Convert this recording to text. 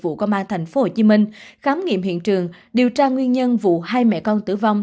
vụ công an tp hcm khám nghiệm hiện trường điều tra nguyên nhân vụ hai mẹ con tử vong